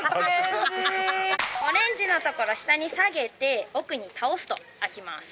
オレンジの所下に下げて奥に倒すと開きます。